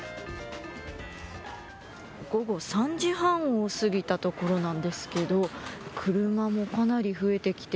午後３時半を過ぎたところなんですが車もかなり増えてきて